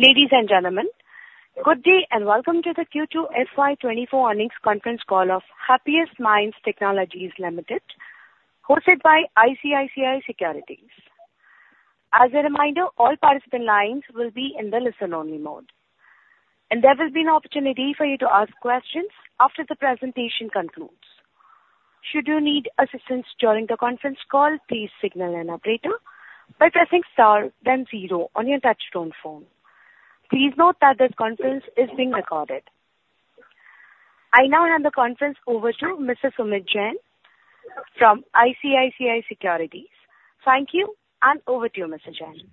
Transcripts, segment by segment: Ladies and gentlemen, good day, and welcome to the Q2 FY 2024 earnings conference call of Happiest Minds Technologies Limited, hosted by ICICI Securities. As a reminder, all participant lines will be in the listen-only mode, and there will be an opportunity for you to ask questions after the presentation concludes. Should you need assistance during the conference call, please signal an operator by pressing star then zero on your touchtone phone. Please note that this conference is being recorded. I now hand the conference over to Mr. Sumeet Jain from ICICI Securities. Thank you, and over to you, Mr. Jain.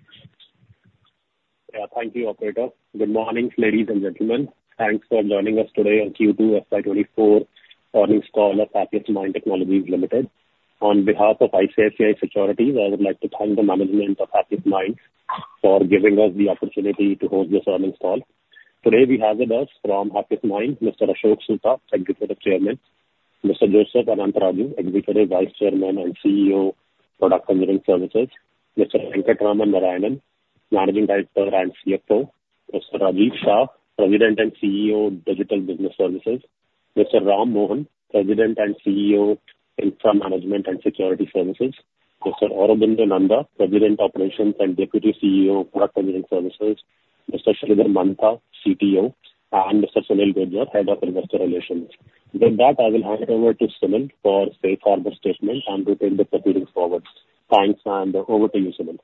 Yeah. Thank you, operator. Good morning, ladies and gentlemen. Thanks for joining us today on Q2 FY 2024 earnings call of Happiest Minds Technologies Limited. On behalf of ICICI Securities, I would like to thank the management of Happiest Minds for giving us the opportunity to host this earnings call. Today, we have with us from Happiest Minds, Mr. Ashok Soota, Executive Chairman; Mr. Joseph Anantharaju, Executive Vice Chairman and CEO, Product Engineering Services; Mr. Venkatraman Narayanan, Managing Director and CFO; Mr. Rajiv Shah, President and CEO, Digital Business Services; Mr. Ram Mohan, President and CEO, Infra Management and Security Services; Mr. Aurobinda Nanda, President, Operations and Deputy CEO, Product Engineering Services; Mr. Sridhar Mantha, CTO; and Mr. Sunil Gujjar, Head of Investor Relations. With that, I will hand over to Sunil for safe harbor statement and retain the proceedings forwards. Thanks, and over to you, Sunil.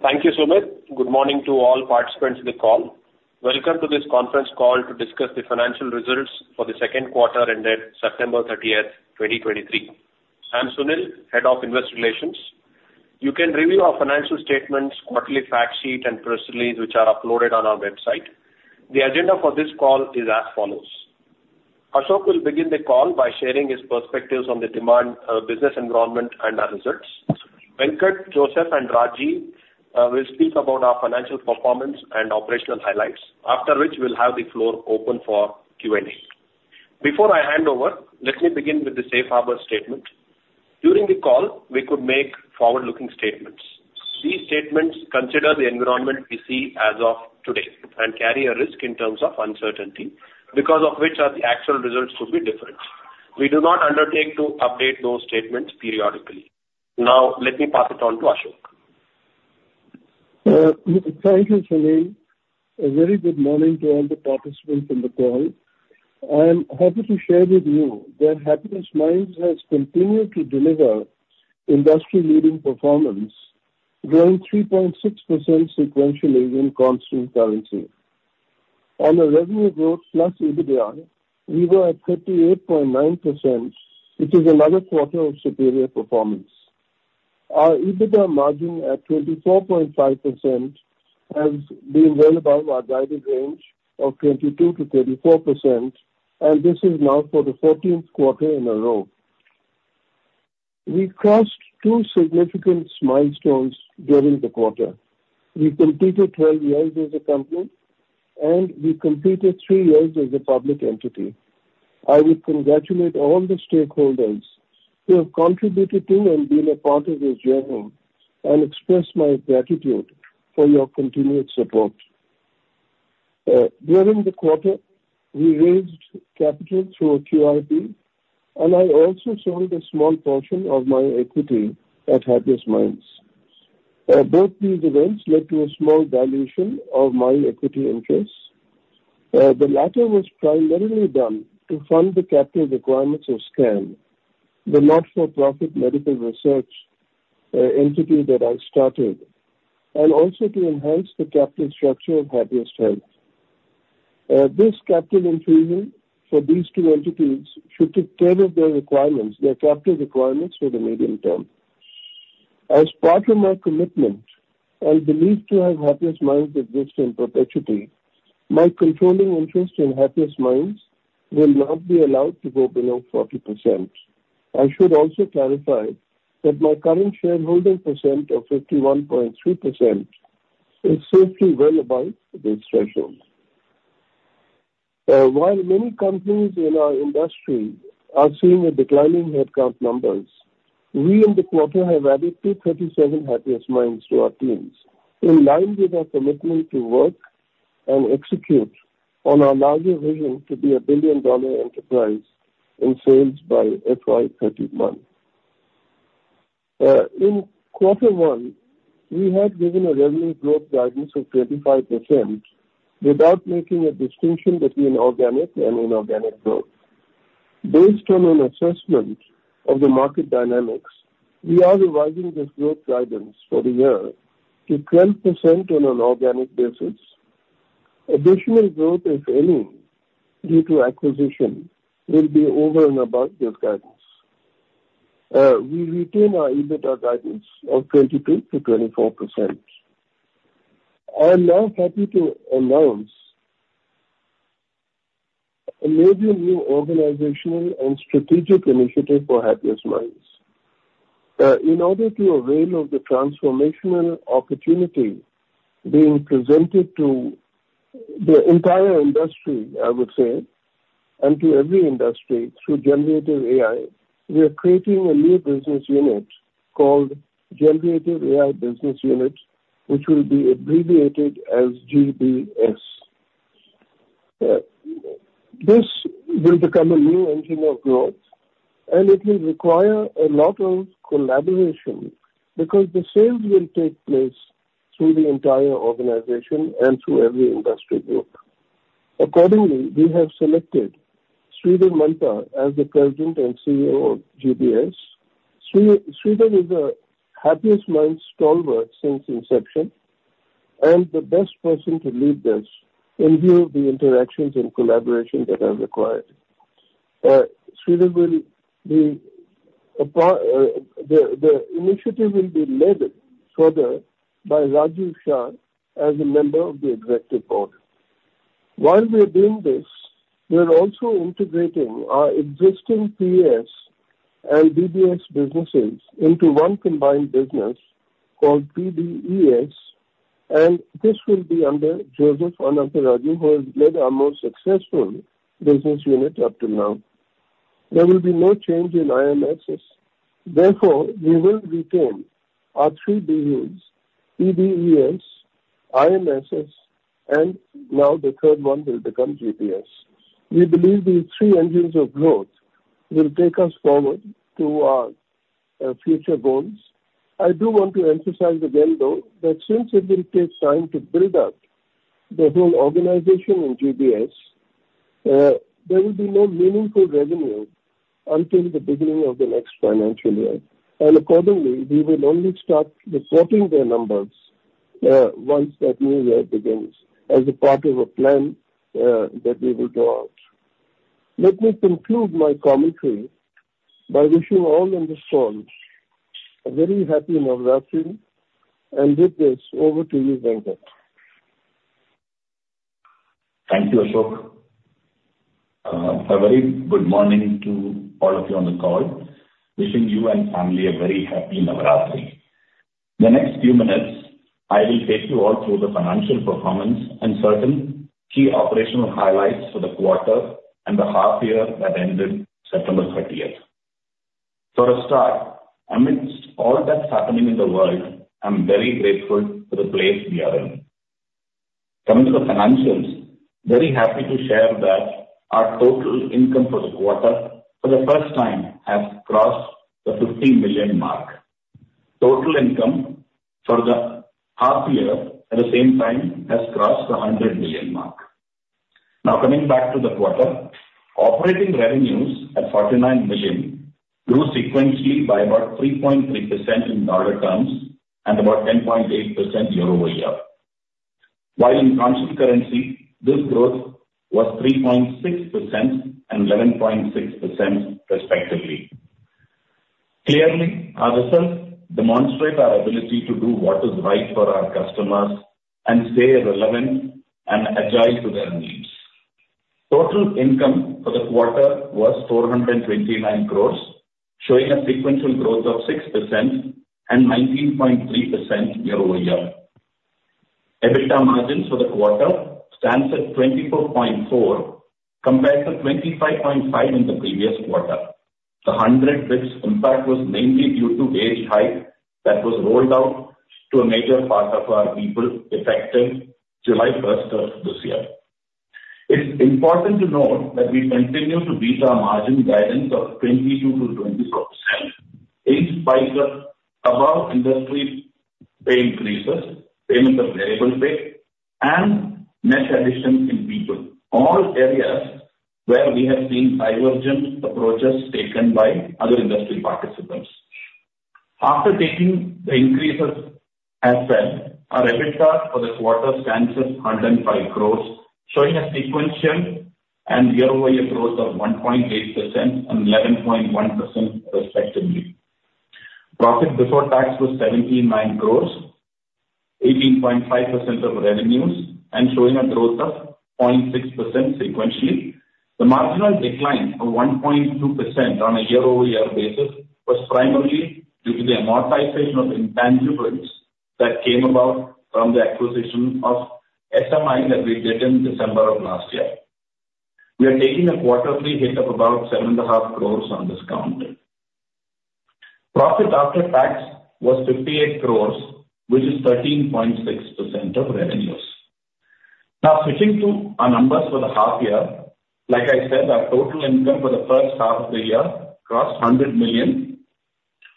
Thank you, Sumeet. Good morning to all participants in the call. Welcome to this conference call to discuss the financial results for the second quarter ended September 30th, 2023. I'm Sunil, Head of Investor Relations. You can review our financial statements, quarterly fact sheet, and press release, which are uploaded on our website. The agenda for this call is as follows: Ashok will begin the call by sharing his perspectives on the demand, business environment and our results. Venkat, Joseph, and Rajiv, will speak about our financial performance and operational highlights, after which we'll have the floor open for Q&A. Before I hand over, let me begin with the safe harbor statement. During the call, we could make forward-looking statements. These statements consider the environment we see as of today and carry a risk in terms of uncertainty, because of which our actual results could be different. We do not undertake to update those statements periodically. Now, let me pass it on to Ashok. Thank you, Sunil. A very good morning to all the participants in the call. I'm happy to share with you that Happiest Minds has continued to deliver industry-leading performance, growing 3.6% sequentially in constant currency. On a revenue growth plus EBITDA, we were at 38.9%, which is another quarter of superior performance. Our EBITDA margin at 24.5% has been well above our guided range of 22%-24%, and this is now for the 14th quarter in a row. We crossed two significant milestones during the quarter. We completed 12 years as a company, and we completed three years as a public entity. I would congratulate all the stakeholders who have contributed to and been a part of this journey and express my gratitude for your continued support. During the quarter, we raised capital through a QIP, and I also sold a small portion of my equity at Happiest Minds. Both these events led to a small dilution of my equity interest. The latter was primarily done to fund the capital requirements of SKAN, the not-for-profit medical research entity that I started, and also to enhance the capital structure of Happiest Health. This capital infusion for these two entities should take care of their requirements, their capital requirements for the medium term. As part of my commitment, I believe to have Happiest Minds exist in perpetuity, my controlling interest in Happiest Minds will not be allowed to go below 40%. I should also clarify that my current shareholder percent of 51.3% is safely well above this threshold. While many companies in our industry are seeing a declining headcount numbers, we in the quarter have added 237 Happiest Minds to our teams, in line with our commitment to work and execute on our larger vision to be a billion-dollar enterprise in sales by FY 2031. In quarter one, we had given a revenue growth guidance of 35% without making a distinction between organic and inorganic growth. Based on an assessment of the market dynamics, we are revising this growth guidance for the year to 12% on an organic basis. Additional growth, if any, due to acquisition, will be over and above this guidance. We retain our EBITDA guidance of 22%-24%. I'm now happy to announce a major new organizational and strategic initiative for Happiest Minds. In order to avail of the transformational opportunity being presented to the entire industry, I would say and to every industry through generative AI, we are creating a new business unit called Generative AI Business Services, which will be abbreviated as GBS. This will become a new engine of growth, and it will require a lot of collaboration because the sales will take place through the entire organization and through every industry group. Accordingly, we have selected Sridhar Mantha as the President and CEO of GBS. Sridhar is a Happiest Minds stalwart since inception and the best person to lead this in view of the interactions and collaboration that are required. Sridhar will be a part. The initiative will be led further by Rajiv Shah as a member of the executive board. While we are doing this, we are also integrating our existing PES and DBS businesses into one combined business called PDES, and this will be under Joseph Anantharaju, who has led our most successful business unit up till now. There will be no change in IMSS. Therefore, we will retain our three BUs, PDES, IMSS, and now the third one will become GBS. We believe these three engines of growth will take us forward to our future goals. I do want to emphasize again, though, that since it will take time to build out the whole organization in GBS, there will be no meaningful revenue until the beginning of the next financial year. And accordingly, we will only start reporting their numbers, once that new year begins as a part of a plan, that we will draw out. Let me conclude my commentary by wishing all on this call a very happy Navratri. With this, over to you, Venkat. Thank you, Ashok. A very good morning to all of you on the call. Wishing you and family a very happy Navratri. The next few minutes, I will take you all through the financial performance and certain key operational highlights for the quarter and the half year that ended September 30th. For a start, amidst all that's happening in the world, I'm very grateful for the place we are in. Coming to the financials, very happy to share that our total income for the quarter, for the first time, has crossed the $50 million mark. Total income for the half year, at the same time, has crossed the $100 million mark. Now, coming back to the quarter, operating revenues at $49 million grew sequentially by about 3.3% in dollar terms and about 10.8% year-over-year. While in constant currency, this growth was 3.6% and 11.6% respectively. Clearly, our results demonstrate our ability to do what is right for our customers and stay relevant and agile to their needs. Total income for the quarter was 429 crore, showing a sequential growth of 6% and 19.3% year-over-year. EBITDA margins for the quarter stands at 24.4, compared to 25.5 in the previous quarter. The 100 basis points impact was mainly due to wage hike that was rolled out to a major part of our people, effective July 1st of this year. It's important to note that we continue to beat our margin guidance of 22%-24%, in spite of above industry pay increases, payment of variable pay, and net additions in people, all areas where we have seen divergent approaches taken by other industry participants. After taking the increases as well, our EBITDA for this quarter stands at 105 crore, showing a sequential and year-over-year growth of 1.8% and 11.1% respectively. Profit before tax was 79 crore, 18.5% of revenues, and showing a growth of 0.6% sequentially. The marginal decline of 1.2% on a year-over-year basis was primarily due to the amortization of intangibles that came about from the acquisition of SMI that we did in December of last year. We are taking a quarterly hit of about 7.5 crore on this count. Profit after tax was 58 crore, which is 13.6% of revenues. Now, switching to our numbers for the half year. Like I said, our total income for the first half of the year crossed $100 million.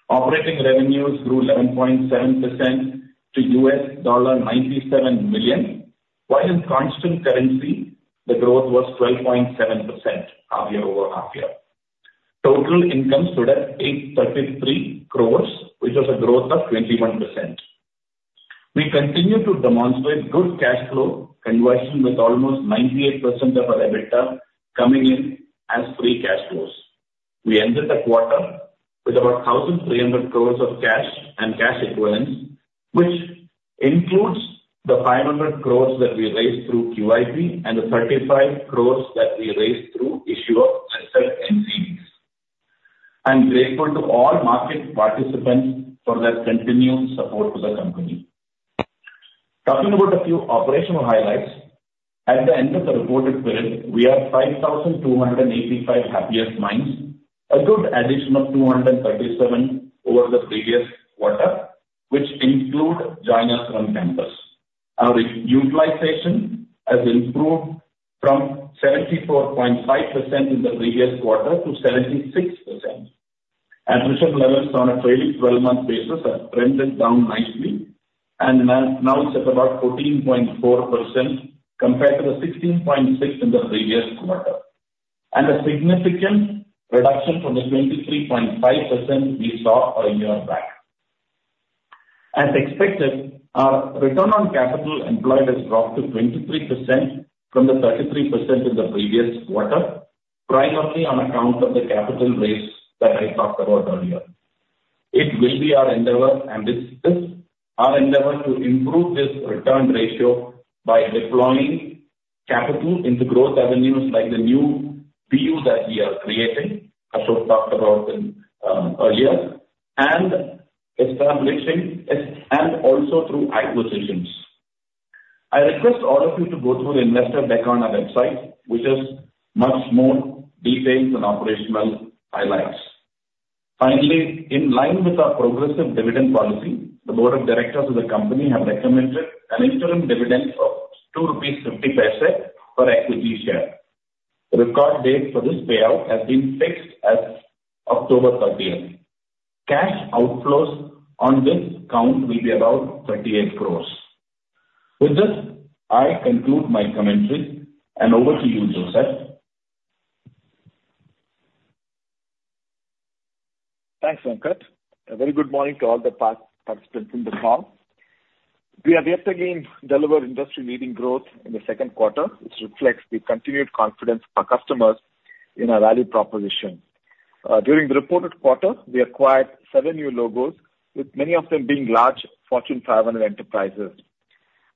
Operating revenues grew 11.7% to $97 million, while in constant currency, the growth was 12.7%, half-year over half-year. Total income stood at 833 crore, which was a growth of 21%. We continue to demonstrate good cash flow conversion, with almost 98% of our EBITDA coming in as free cash flows. We ended the quarter with about 1,300 crore of cash and cash equivalents, which includes the 500 crore that we raised through QIP and the 35 crore that we raised through issue of... I'm grateful to all market participants for their continued support to the company. Talking about a few operational highlights, at the end of the reported period, we have 5,285 Happiest Minds, a good addition of 237 over the previous quarter, which include joiners on campus. Our utilization has improved from 74.5% in the previous quarter to 76%. Attrition levels on a trailing twelve-month basis have trended down nicely and now it's at about 14.4% compared to the 16.6% in the previous quarter, and a significant reduction from the 23.5% we saw a year back. As expected, our return on capital employed has dropped to 23% from the 33% in the previous quarter, primarily on account of the capital raise that I talked about earlier. It will be our endeavor and this is our endeavor to improve this return ratio by deploying capital into growth avenues like the new BU that we are creating. Ashok talked about in earlier, and establishing and also through acquisitions. I request all of you to go through the investor deck on our website, which has much more details on operational highlights. Finally, in line with our progressive dividend policy, the board of directors of the company have recommended an interim dividend of 2.50 rupees per equity share. The record date for this payout has been fixed as October 30th. Cash outflows on this count will be about 38 crore. With this, I conclude my commentary, and over to you, Joseph. Thanks, Venkat. A very good morning to all the participants in the call. We have yet again delivered industry-leading growth in the second quarter, which reflects the continued confidence of our customers in our value proposition. During the reported quarter, we acquired seven new logos, with many of them being large Fortune 500 enterprises.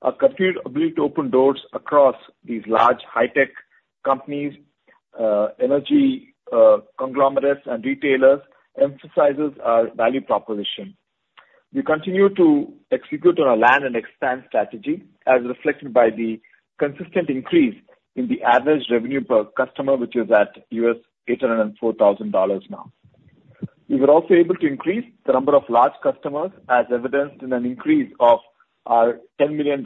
Our continued ability to open doors across these large high-tech companies, energy conglomerates, and retailers emphasizes our value proposition. We continue to execute on our land and expand strategy, as reflected by the consistent increase in the average revenue per customer, which is at $804,000 now. We were also able to increase the number of large customers, as evidenced in an increase of our $10 million and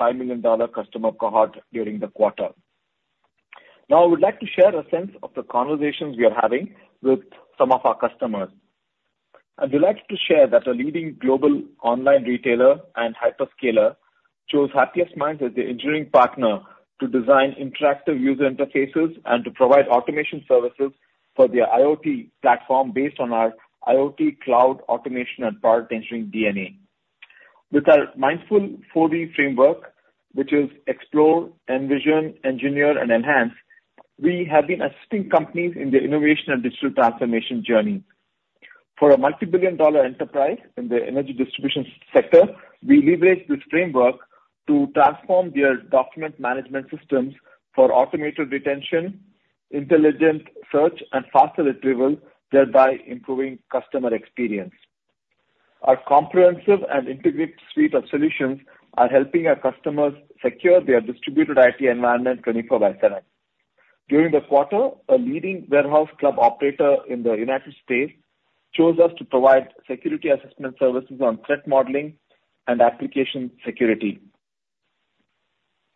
$5 million customer cohort during the quarter. Now, I would like to share a sense of the conversations we are having with some of our customers. I'd like to share that a leading global online retailer and hyperscaler chose Happiest Minds as their engineering partner to design interactive user interfaces and to provide automation services for their IoT platform based on our IoT cloud automation and product engineering DNA. With our Mindful 4D Framework, which is explore, envision, engineer, and enhance, we have been assisting companies in their innovation and digital transformation journey. For a multi-billion dollar enterprise in the energy distribution sector, we leveraged this framework to transform their document management systems for automated retention, intelligent search, and faster retrieval, thereby improving customer experience. Our comprehensive and integrated suite of solutions are helping our customers secure their distributed IT environment 24x7. During the quarter, a leading warehouse club operator in the United States chose us to provide security assessment services on threat modeling and application security.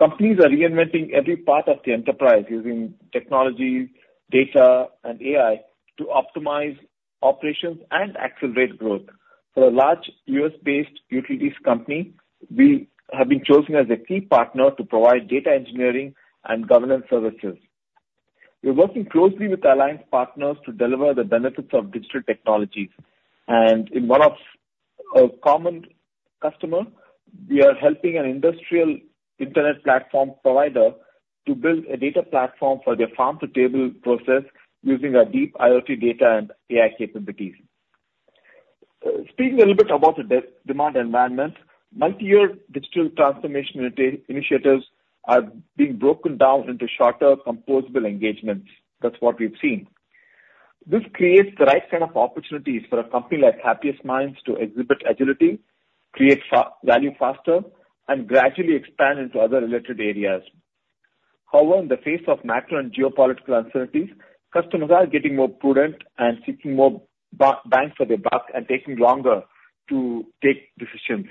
Companies are reinventing every part of their enterprise using technologies, data, and AI to optimize operations and accelerate growth. For a large U.S.-based utilities company, we have been chosen as a key partner to provide data engineering and governance services. We're working closely with alliance partners to deliver the benefits of digital technologies, and in one of a common customer, we are helping an industrial internet platform provider to build a data platform for their farm-to-table process using our deep IoT data and AI capabilities. Speaking a little bit about the demand environment, multi-year digital transformation initiatives are being broken down into shorter, composable engagements. That's what we've seen. This creates the right kind of opportunities for a company like Happiest Minds to exhibit agility, create value faster, and gradually expand into other related areas. However, in the face of macro and geopolitical uncertainties, customers are getting more prudent and seeking more bang for their buck and taking longer to take decisions.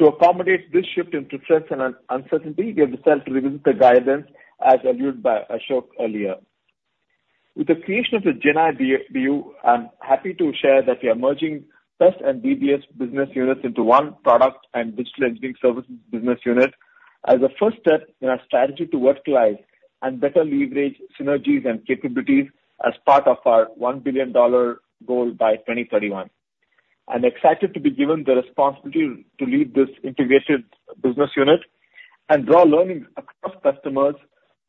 To accommodate this shift in trends and uncertainty, we have decided to revisit the guidance, as alluded by Ashok earlier. With the creation of the Gen AI BU, I'm happy to share that we are merging PES and DBS business units into one Product and Digital Engineering Services business unit as a first step in our strategy to virtualize and better leverage synergies and capabilities as part of our $1 billion goal by 2031. I'm excited to be given the responsibility to lead this integrated business unit and draw learnings across customers,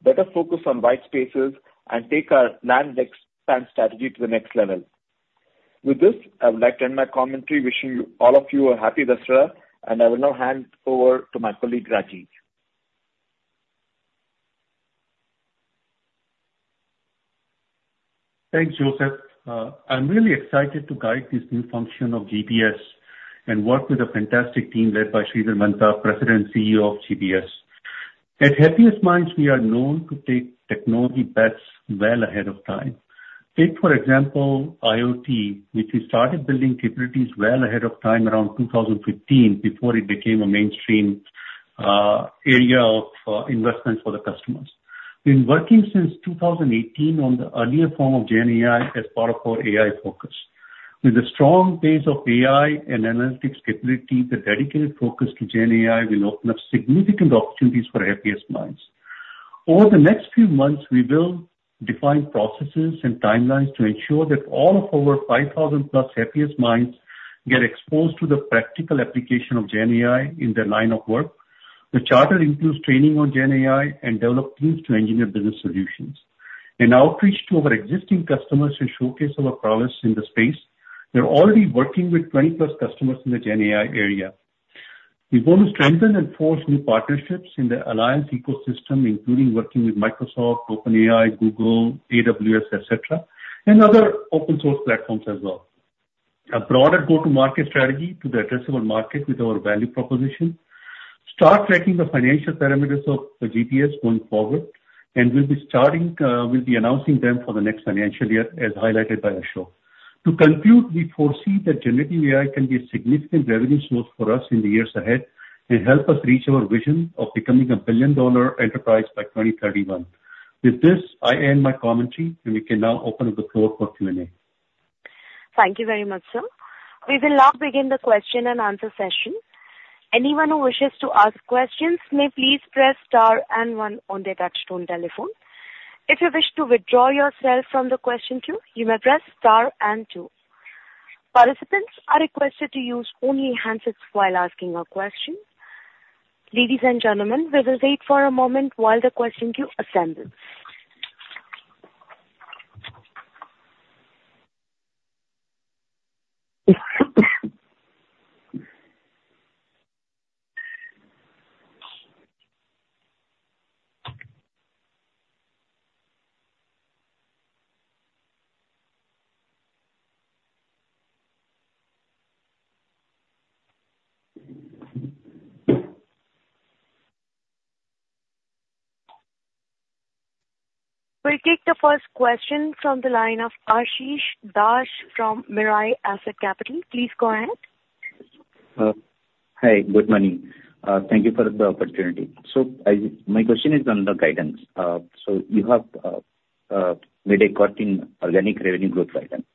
better focus on white spaces, and take our land-and-expand strategy to the next level. With this, I would like to end my commentary wishing you, all of you a happy Dussehra, and I will now hand over to my colleague, Rajiv.... Thanks, Joseph. I'm really excited to guide this new function of GBS and work with a fantastic team led by Sridhar Mantha, President and CEO of GBS. At Happiest Minds, we are known to take technology bets well ahead of time. Take, for example, IoT, which we started building capabilities well ahead of time around 2015, before it became a mainstream area of investment for the customers. We've been working since 2018 on the earlier form of Gen AI as part of our AI focus. With a strong base of AI and analytics capabilities, the dedicated focus to Gen AI will open up significant opportunities for Happiest Minds. Over the next few months, we will define processes and timelines to ensure that all of our 5,000+ Happiest Minds get exposed to the practical application of Gen AI in their line of work. The charter includes training on Gen AI and develop teams to engineer business solutions. An outreach to our existing customers to showcase our prowess in the space. We're already working with 20+ customers in the Gen AI area. We want to strengthen and forge new partnerships in the alliance ecosystem, including working with Microsoft, OpenAI, Google, AWS, et cetera, and other open source platforms as well. A broader go-to-market strategy to the addressable market with our value proposition. Start tracking the financial parameters of the GBS going forward, and we'll be starting, we'll be announcing them for the next financial year, as highlighted by Ashok. To conclude, we foresee that generative AI can be a significant revenue source for us in the years ahead, and help us reach our vision of becoming a billion-dollar enterprise by 2031. With this, I end my commentary, and we can now open up the floor for Q&A. Thank you very much, sir. We will now begin the question and answer session. Anyone who wishes to ask questions may please press star and one on their touchtone telephone. If you wish to withdraw yourself from the question queue, you may press star and two. Participants are requested to use only handsets while asking a question. Ladies and gentlemen, we will wait for a moment while the question queue assembles. We'll take the first question from the line of Ashish Dash from Mirae Asset Capital. Please go ahead. Hi, good morning. Thank you for the opportunity. So I... My question is on the guidance. So you have made a cut in organic revenue growth guidance.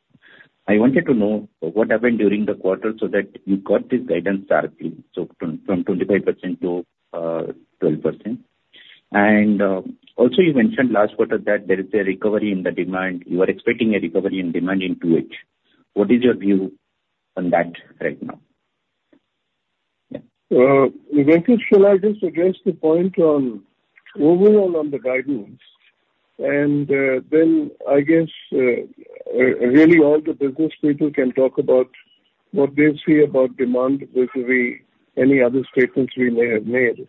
I wanted to know what happened during the quarter so that you cut this guidance sharply, so from 25% to 12%. And also you mentioned last quarter that there is a recovery in the demand. You are expecting a recovery in demand in H2. What is your view on that right now? Venky, shall I just address the point on overall on the guidance? And then I guess, really, all the business leaders can talk about what they see about demand vis-a-vis any other statements we may have made.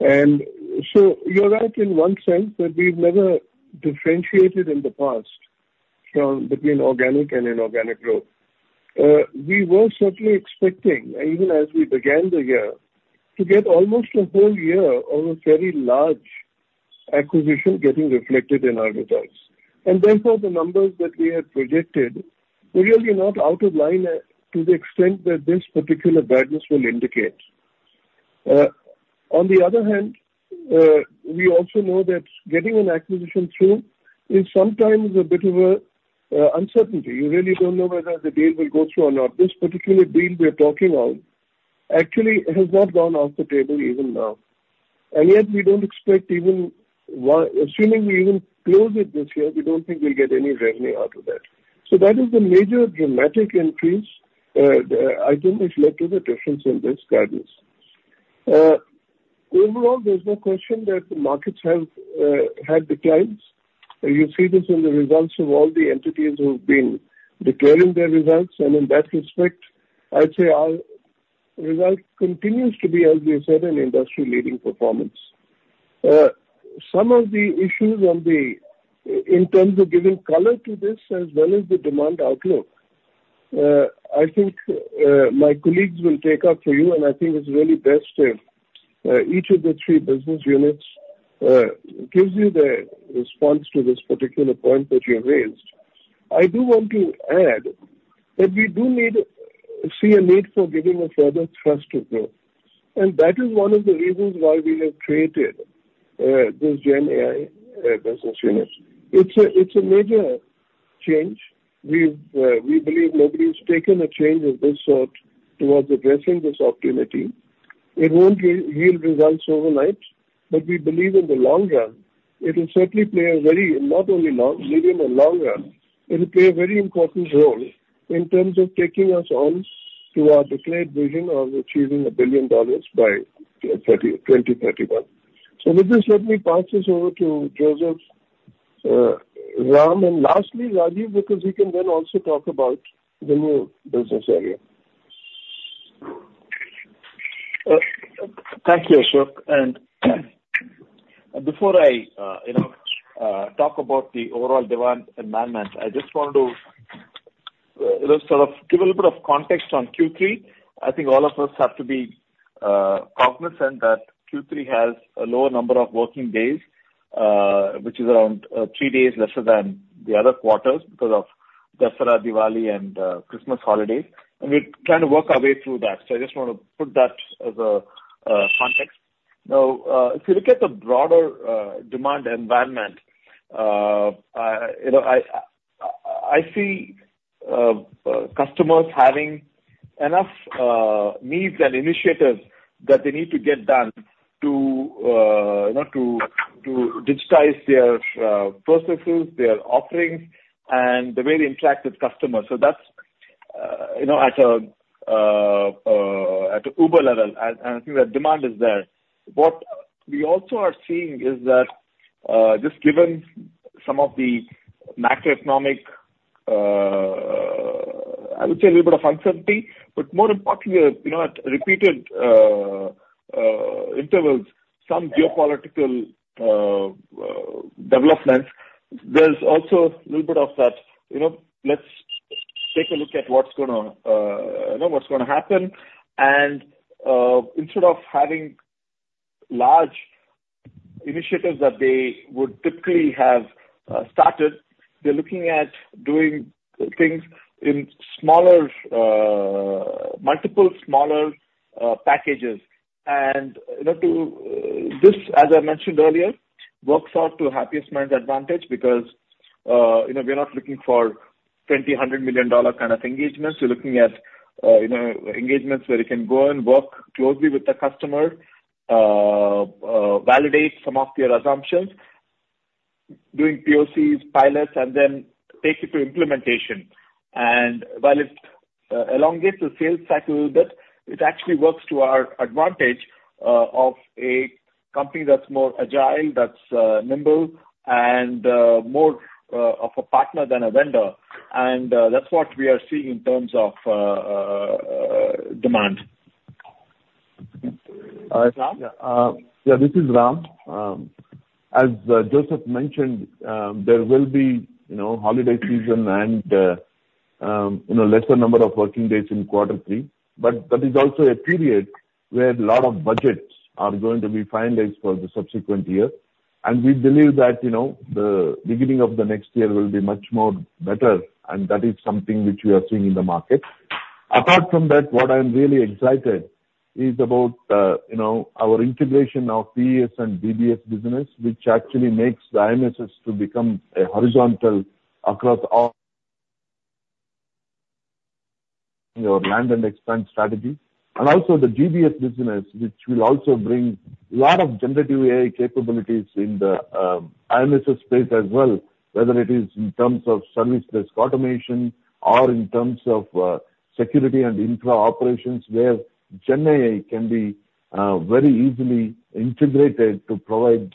And so you're right in one sense, that we've never differentiated in the past from between organic and inorganic growth. We were certainly expecting, even as we began the year, to get almost a whole year of a very large acquisition getting reflected in our results. And therefore, the numbers that we had projected were really not out of line to the extent that this particular guidance will indicate. On the other hand, we also know that getting an acquisition through is sometimes a bit of a uncertainty. You really don't know whether the deal will go through or not. This particular deal we are talking about actually has not gone off the table even now, and yet we don't expect even one... Assuming we even close it this year, we don't think we'll get any revenue out of that. So that is the major dramatic increase that I think has led to the difference in this guidance. Overall, there's no question that the markets have had declines. You see this in the results of all the entities who have been declaring their results. In that respect, I'd say our result continues to be, as we said, an industry-leading performance. Some of the issues on the, in terms of giving color to this as well as the demand outlook, I think, my colleagues will take up for you, and I think it's really best if, each of the three business units, gives you the response to this particular point that you have raised. I do want to add that we do need, see a need for giving a further thrust to growth, and that is one of the reasons why we have created, this Gen AI, business unit. It's a, it's a major change. We've, we believe nobody's taken a change of this sort towards addressing this opportunity. It won't realize results overnight, but we believe in the long run, it will certainly play a very, not only long, medium or long run, it'll play a very important role in terms of taking us on to our declared vision of achieving $1 billion by 2031. So with this, let me pass this over to Joseph, Ram, and lastly, Rajiv, because he can then also talk about the new business area. Thank you, Ashok. And before I, you know, talk about the overall demand environment, I just want to, you know, sort of give a little bit of context on Q3. I think all of us have to be, cognizant that Q3 has a lower number of working days, which is around, three days lesser than the other quarters because of Dussehra, Diwali, and, Christmas holidays, and we're trying to work our way through that. So I just want to put that as a, context. Now, if you look at the broader, demand environment, I, you know, I, I, I see, customers having enough, needs and initiatives that they need to get done to, you know, to, to digitize their, processes, their offerings, and the way they interact with customers. So that's, you know, at a high level, and I think the demand is there. What we also are seeing is that, just given some of the macroeconomic, I would say a little bit of uncertainty, but more importantly, you know, at repeated intervals, some geopolitical developments. There's also a little bit of that, you know, let's take a look at what's gonna, you know, what's gonna happen. And, instead of having large initiatives that they would typically have started, they're looking at doing things in smaller, multiple smaller packages. And, you know, to this, as I mentioned earlier, works out to Happiest Minds' advantage because, you know, we are not looking for $20 million, $100 million-dollar kind of engagements. We're looking at, you know, engagements where you can go and work closely with the customer, validate some of your assumptions, doing POCs, pilots, and then take it to implementation. And while it's elongates the sales cycle a little bit, it actually works to our advantage, of a company that's more agile, that's nimble and more of a partner than a vendor. And that's what we are seeing in terms of demand. Uh, Ram? Yeah, this is Ram. As Joseph mentioned, there will be, you know, holiday season and, you know, lesser number of working days in quarter three. But that is also a period where a lot of budgets are going to be finalized for the subsequent year. And we believe that, you know, the beginning of the next year will be much more better, and that is something which we are seeing in the market. Apart from that, what I'm really excited is about, you know, our integration of PES and GBS business, which actually makes the IMSS to become a horizontal across all... Your land and expand strategy. And also the GBS business, which will also bring a lot of generative AI capabilities in the IMSS space as well, whether it is in terms of service-based automation or in terms of security and infra operations, where GenAI can be very easily integrated to provide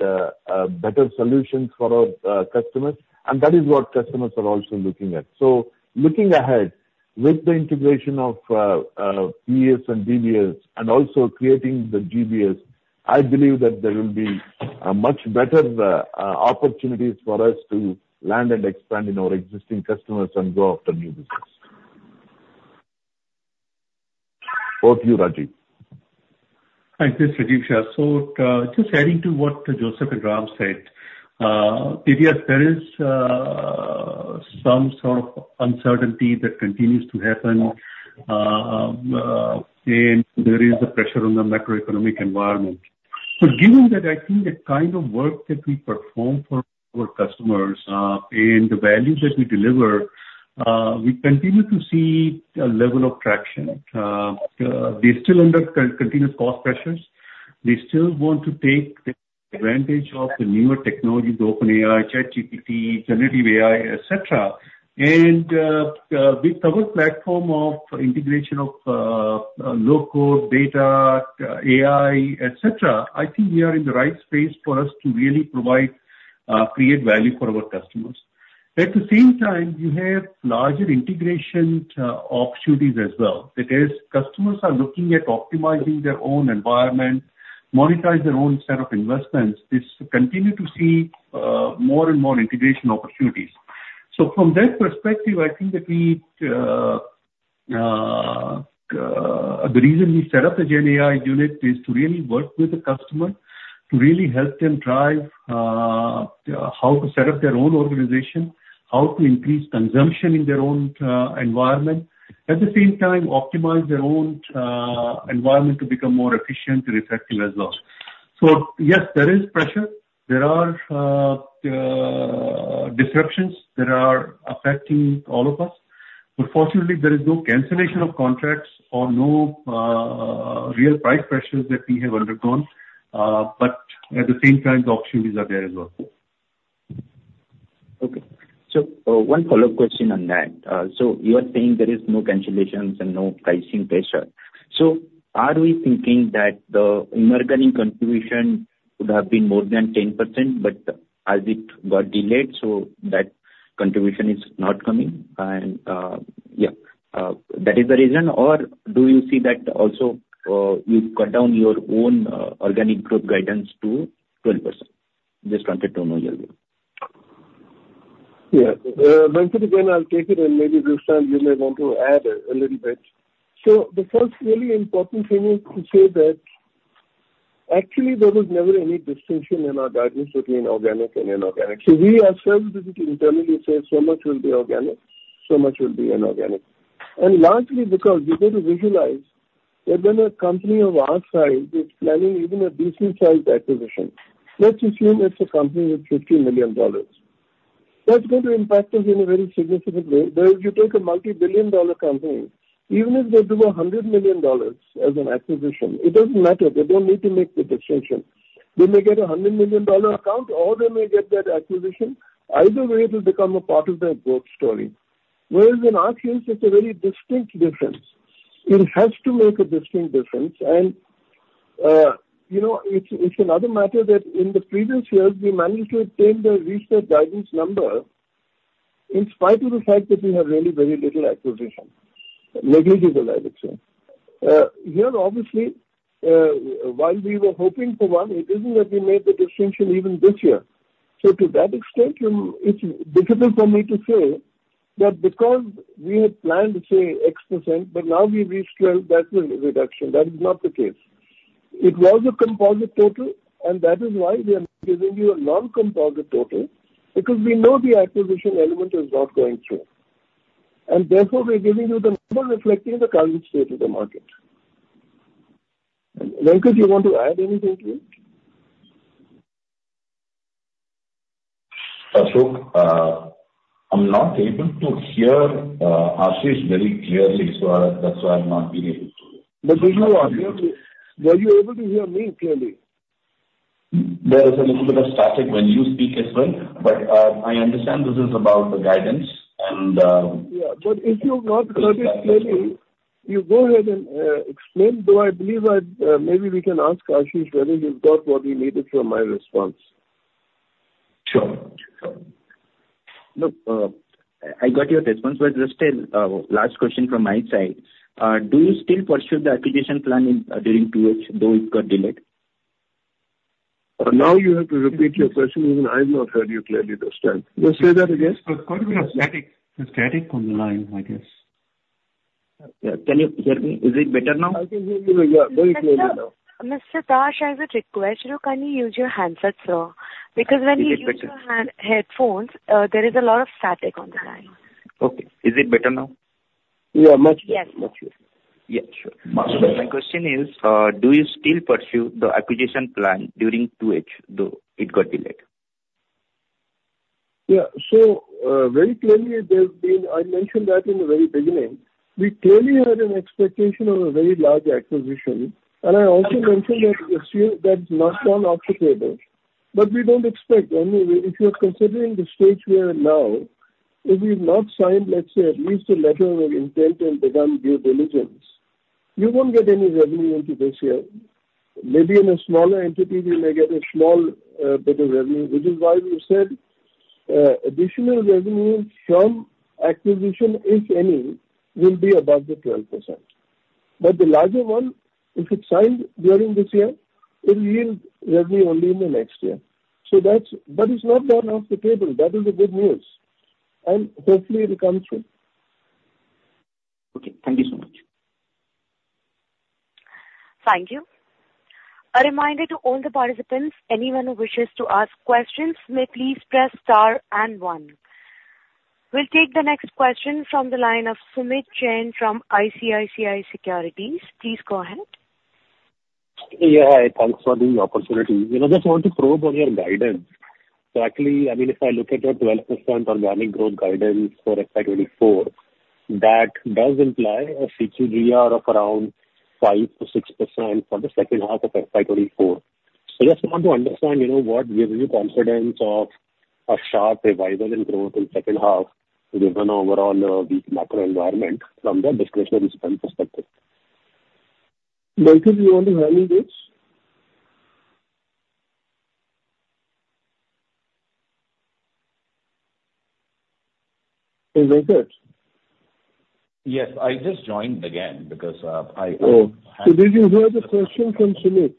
better solutions for our customers. And that is what customers are also looking at. So looking ahead, with the integration of PES and GBS and also creating the GBS, I believe that there will be a much better opportunities for us to land and expand in our existing customers and go after new business. Over to you, Rajiv. Hi, this is Rajiv Shah. So, just adding to what Joseph and Ram said. Yes, there is some sort of uncertainty that continues to happen, and there is a pressure on the macroeconomic environment. So given that, I think the kind of work that we perform for our customers, and the value that we deliver, we continue to see a level of traction. They're still under continuous cost pressures. They still want to take advantage of the newer technologies, OpenAI, ChatGPT, generative AI, et cetera. And, with our platform of integration of, low-code data, AI, et cetera, I think we are in the right space for us to really provide, create value for our customers. At the same time, you have larger integration, opportunities as well. That is, customers are looking at optimizing their own environment, monetize their own set of investments. This, we continue to see, more and more integration opportunities. So from that perspective, I think that we, the reason we set up the GenAI unit is to really work with the customer, to really help them drive, how to set up their own organization, how to increase consumption in their own environment. At the same time, optimize their own environment to become more efficient and effective as well. So yes, there is pressure. There are, disruptions that are affecting all of us, but fortunately, there is no cancellation of contracts or no, real price pressures that we have undergone. But at the same time, the opportunities are there as well. Okay. So, one follow-up question on that. So you are saying there is no cancellations and no pricing pressure. So are we thinking that the emerging contribution would have been more than 10%, but as it got delayed, so that contribution is not coming? And, yeah, that is the reason, or do you see that also, you cut down your own, organic growth guidance to 12%?... Just wanted to know your view. Yeah. Venkat again, I'll take it, and maybe Rajiv, you may want to add a little bit. So the first really important thing is to say that actually there was never any distinction in our guidance between organic and inorganic. So we ourselves did it internally say so much will be organic, so much will be inorganic. And largely because you've got to visualize that when a company of our size is planning even a decent-sized acquisition, let's assume it's a company with $50 million. That's going to impact us in a very significant way. Whereas if you take a multi-billion dollar company, even if they do $100 million as an acquisition, it doesn't matter, they don't need to make the distinction. They may get a $100 million account, or they may get that acquisition. Either way, it will become a part of their growth story. Whereas in our case, it's a very distinct difference. It has to make a distinct difference. And, you know, it's, it's another matter that in the previous years we managed to obtain the research guidance number, in spite of the fact that we had really very little acquisition. Negligible, I would say. Here, obviously, while we were hoping for one, it isn't that we made the distinction even this year. So to that extent, it's difficult for me to say that because we had planned to say X%, but now we've reached 12, that's a reduction. That is not the case. It was a composite total, and that is why we are giving you a non-composite total, because we know the acquisition element is not going through. Therefore, we're giving you the number reflecting the current state of the market. Venkat, do you want to add anything to it? Ashok, I'm not able to hear Ashish very clearly, so that's why I've not been able to. But if you... Were you able to hear me clearly? There is a little bit of static when you speak as well, but, I understand this is about the guidance, and Yeah, but if you've not heard it clearly, you go ahead and explain, though I believe that maybe we can ask Ashish whether he's got what he needed from my response. Sure. Sure. Look, I got your response, but just a last question from my side. Do you still pursue the acquisition plan in during QH, though it got delayed? Now you have to repeat your question, even I've not heard you clearly this time. Just say that again. There's quite a bit of static. There's static on the line, I guess. Yeah. Can you hear me? Is it better now? I can hear you yeah, very clearly now. Mr. Dash, I have a request. You know, can you use your handset, sir? It's better. Because when you use your hand, headphones, there is a lot of static on the line. Okay. Is it better now? Yeah, much better. Yes. Much better. Yeah, sure. Uh- My question is, do you still pursue the acquisition plan during Q2, though it got delayed? Yeah. So, very clearly, there's been... I mentioned that in the very beginning. We clearly had an expectation of a very large acquisition, and I also mentioned that, assume that's not done off the table. But we don't expect any. If you are considering the stage we are in now, if we've not signed, let's say, at least a letter of intent and begun due diligence, you won't get any revenue into this year. Maybe in a smaller entity, you may get a small, bit of revenue, which is why we said, additional revenues from acquisition, if any, will be above the 12%. But the larger one, if it's signed during this year, it will yield revenue only in the next year. So that's-- but it's not done off the table. That is the good news, and hopefully it will come through. Okay. Thank you so much. Thank you. A reminder to all the participants, anyone who wishes to ask questions may please press star and one. We'll take the next question from the line of Sumeet Jain from ICICI Securities. Please go ahead. Yeah, thanks for the opportunity. You know, just want to probe on your guidance. So actually, I mean, if I look at your 12% organic growth guidance for FY 2024, that does imply a CQGR of around 5%-6% for the second half of FY 2024. So I just want to understand, you know, what gives you confidence of a sharp revival in growth in second half, given the overall, weak macro environment from the discretionary spend perspective? Venkat, do you want to handle this? Hey, Venkat? Yes, I just joined again because, Oh. So did you hear the question from Sumeet?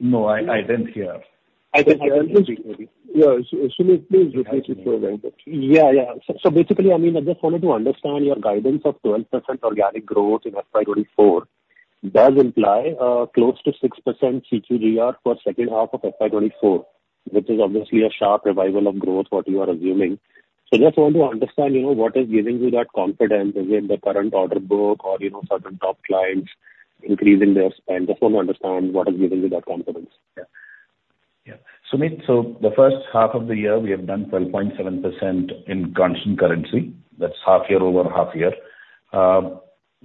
No, I didn't hear. I think I heard it. Yeah. Sumeet, please repeat it for Venkat. Yeah, yeah. So basically, I mean, I just wanted to understand your guidance of 12% organic growth in FY 2024 does imply close to 6% CQGR for second half of FY 2024, which is obviously a sharp revival of growth, what you are assuming. So just want to understand, you know, what is giving you that confidence. Is it the current order book or, you know, certain top clients increasing their spend? Just want to understand what is giving you that confidence. Yeah. Yeah. Sumeet, so the first half of the year, we have done 12.7% in constant currency. That's half year over half year.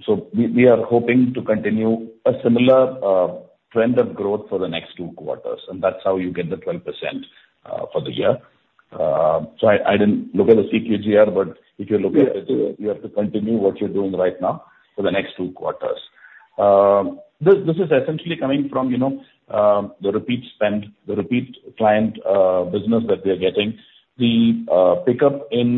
So we are hoping to continue a similar trend of growth for the next two quarters, and that's how you get the 12% for the year. So I didn't look at the CQGR, but if you look at it- Yeah. You have to continue what you're doing right now for the next two quarters. This, this is essentially coming from, you know, the repeat spend, the repeat client business that we are getting.... the pickup in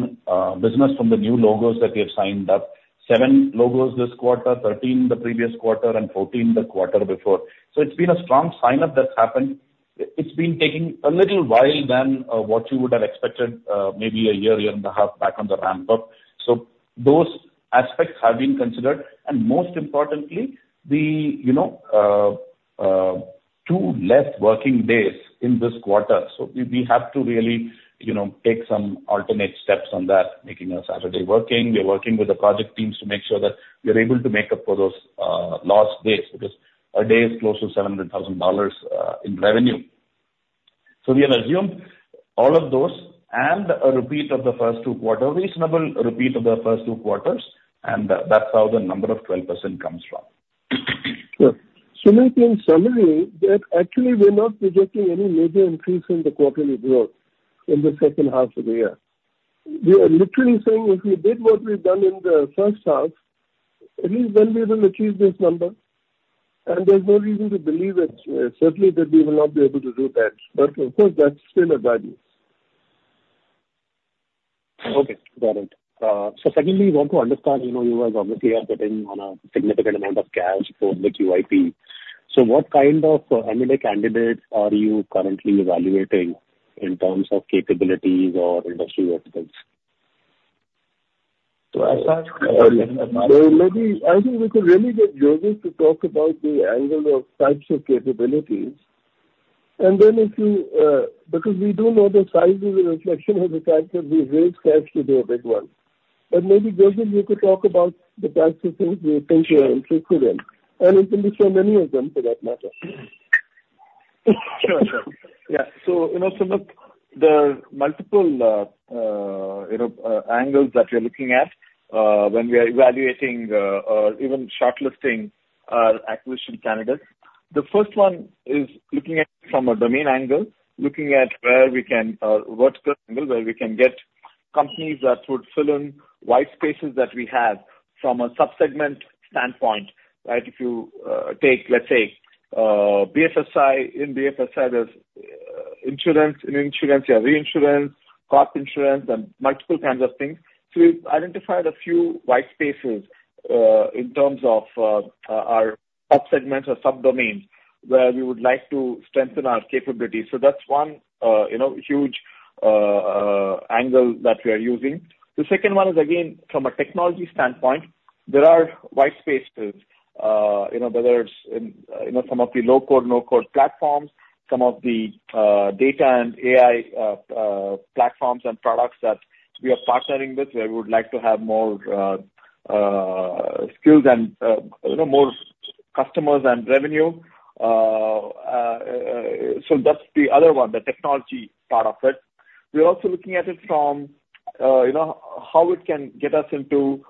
business from the new logos that we have signed up, seven logos this quarter, 13 the previous quarter and 14 the quarter before. So it's been a strong sign-up that's happened. It's been taking a little while than what you would have expected, maybe a year, year and a half back on the ramp-up. So those aspects have been considered, and most importantly, the, you know, 2 less working days in this quarter. So we, we have to really, you know, take some alternate steps on that, making a Saturday working. We're working with the project teams to make sure that we are able to make up for those lost days, because a day is close to $700,000 in revenue. So we have assumed all of those and a repeat of the first two quarters, reasonable repeat of the first two quarters, and that's how the number of 12% comes from. Sure. So in summary, that actually we're not projecting any major increase in the quarterly growth in the second half of the year. We are literally saying if we did what we've done in the first half, at least then we will achieve this number, and there's no reason to believe that, certainly that we will not be able to do that. But of course, that's still a guidance. Okay, got it. So secondly, we want to understand, you know, you guys obviously are sitting on a significant amount of cash for the QIP. So what kind of M&A candidates are you currently evaluating in terms of capabilities or industry verticals? So I start- Maybe, I think we could really get Joseph to talk about the angle of types of capabilities. And then if you, because we do know the size is a reflection of the fact that we raise cash to do a big one. But maybe, Joseph, you could talk about the types of things we think we are interested in, and it can be so many of them for that matter. Sure, sure. Yeah. So, you know, Sumeet, there are multiple angles that we are looking at when we are evaluating or even shortlisting acquisition candidates. The first one is looking at it from a domain angle, looking at where we can vertical angle, where we can get companies that would fill in wide spaces that we have from a sub-segment standpoint, right? If you take, let's say, BFSI. In BFSI, there's insurance. In insurance, you have reinsurance, car insurance, and multiple kinds of things. So we've identified a few wide spaces in terms of our sub-segments or sub-domains, where we would like to strengthen our capabilities. So that's one, you know, huge angle that we are using. The second one is, again, from a technology standpoint, there are wide spaces, you know, whether it's in, you know, some of the low-code, no-code platforms, some of the, data and AI, platforms and products that we are partnering with, where we would like to have more, skills and, you know, more customers and revenue. So that's the other one, the technology part of it. We are also looking at it from, you know, how it can get us into,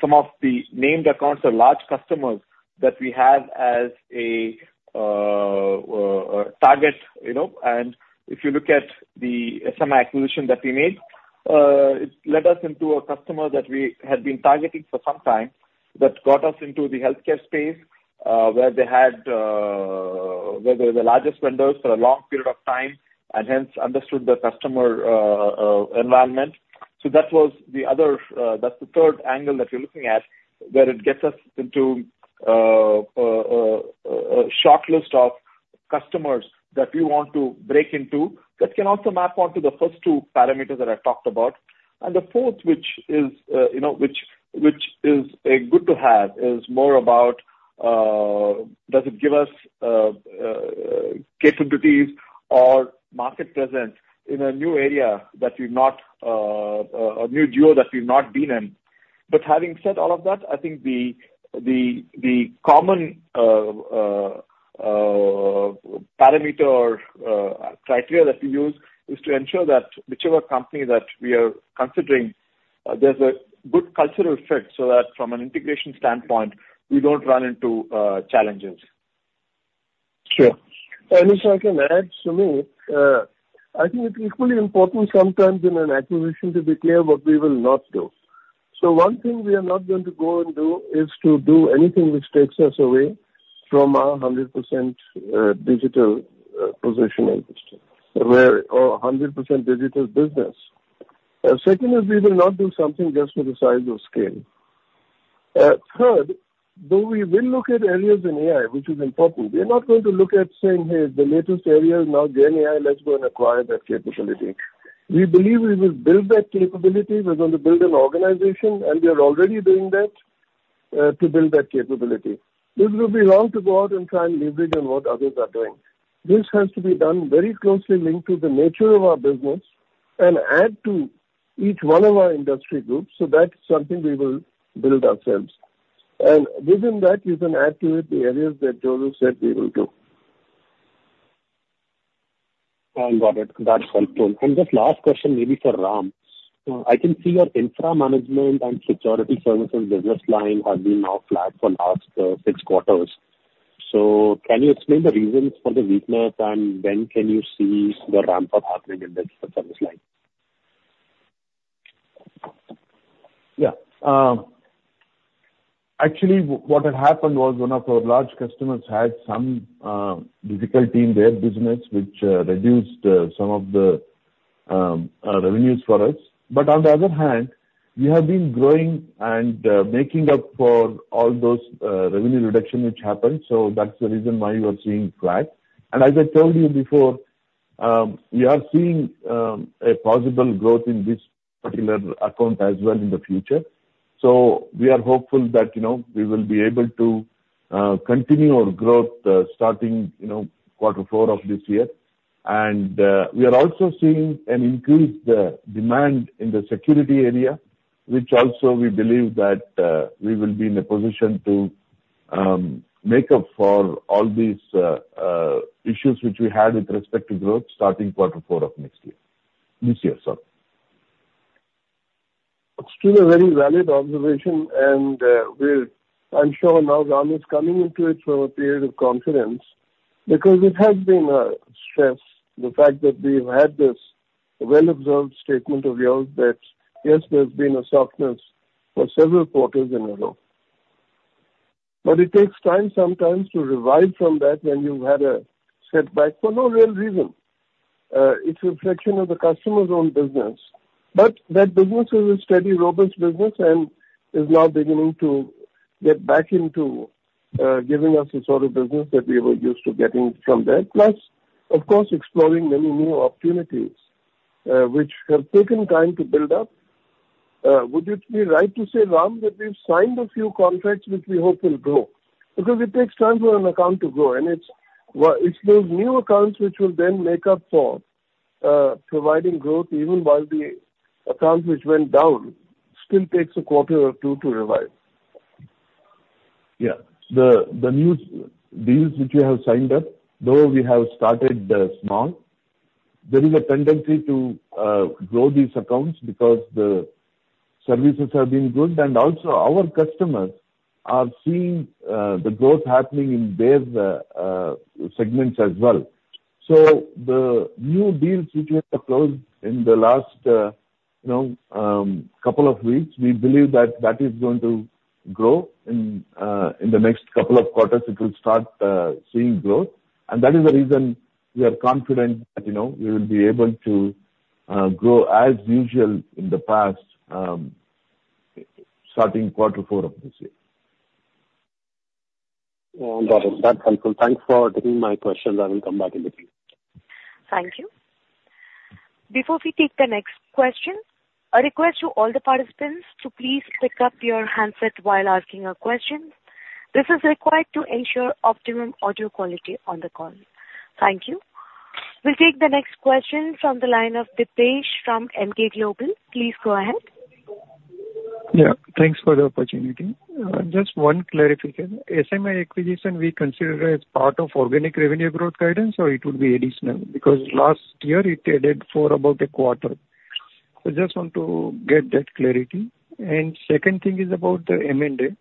some of the named accounts or large customers that we have as a, a target, you know. And if you look at the, some acquisition that we made, it led us into a customer that we had been targeting for some time, that got us into the healthcare space, where they had, where they were the largest vendors for a long period of time, and hence understood the customer, environment. So that was the other, that's the third angle that we're looking at, where it gets us into, a shortlist of customers that we want to break into, that can also map onto the first two parameters that I talked about. And the fourth, which is, you know, which, which is a good to have, is more about, does it give us, capabilities or market presence in a new area that we've not, a new duo that we've not been in? But having said all of that, I think the common parameter or criteria that we use is to ensure that whichever company that we are considering, there's a good cultural fit, so that from an integration standpoint, we don't run into challenges. Sure. And if I can add, Sumeet, I think it's equally important sometimes in an acquisition to be clear what we will not do. So one thing we are not going to go and do is to do anything which takes us away from our 100% digital position in the industry, where... or a 100% digital business. Second is we will not do something just for the size of scale. Third, though we will look at areas in AI, which is important, we are not going to look at saying, "Hey, the latest area is now GenAI, let's go and acquire that capability." We believe we will build that capability. We're going to build an organization, and we are already doing that to build that capability. It will be wrong to go out and try and leverage on what others are doing. This has to be done very closely linked to the nature of our business and add to each one of our industry groups, so that's something we will build ourselves. Within that, you can activate the areas that Joseph said we will do. I got it. That's helpful. And just last question, maybe for Ram. I can see your infra management and security services business line has been now flat for last six quarters. So can you explain the reasons for the weakness, and when can you see the ramp-up happening in that service line?... Yeah, actually, what had happened was one of our large customers had some difficulty in their business, which reduced some of the revenues for us. But on the other hand, we have been growing and making up for all those revenue reduction which happened, so that's the reason why you are seeing flat. And as I told you before, we are seeing a possible growth in this particular account as well in the future. So we are hopeful that, you know, we will be able to continue our growth starting, you know, quarter four of this year. We are also seeing an increased demand in the security area, which also we believe that we will be in a position to make up for all these issues which we had with respect to growth starting quarter four of next year. This year, sorry. It's still a very valid observation, and, I'm sure now Ram is coming into it from a period of confidence, because it has been a stress, the fact that we've had this well-observed statement of yours, that, yes, there's been a softness for several quarters in a row. But it takes time sometimes to revive from that when you've had a setback for no real reason. It's a reflection of the customer's own business. But that business is a steady, robust business and is now beginning to get back into, giving us the sort of business that we were used to getting from them. Plus, of course, exploring many new opportunities, which have taken time to build up. Would it be right to say, Ram, that we've signed a few contracts which we hope will grow? Because it takes time for an account to grow, and it's those new accounts which will then make up for, providing growth, even while the accounts which went down still takes a quarter or two to revive. Yeah. The new deals which we have signed up, though we have started small, there is a tendency to grow these accounts because the services have been good. And also, our customers are seeing the growth happening in their segments as well. So the new deals which we have closed in the last, you know, couple of weeks, we believe that that is going to grow. In the next couple of quarters, it will start seeing growth. And that is the reason we are confident that, you know, we will be able to grow as usual in the past starting quarter four of this year. Got it. That's helpful. Thanks for taking my questions. I will come back in the queue. Thank you. Before we take the next question, a request to all the participants to please pick up your handset while asking a question. This is required to ensure optimum audio quality on the call. Thank you. We'll take the next question from the line of Dipesh from Emkay Global. Please go ahead. Yeah, thanks for the opportunity. Just one clarification: SMI acquisition, we consider it as part of organic revenue growth guidance or it would be additional? Because last year it added for about a quarter. I just want to get that clarity. And second thing is about the M&A.